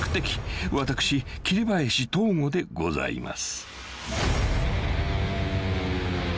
私桐林藤吾でございます］